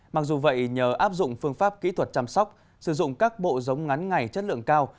mặc dù vậy nhờ áp dụng phương pháp kỹ thuật chăm sóc sử dụng các bộ giống ngắn ngày chất lượng cao